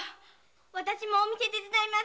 私も手伝います。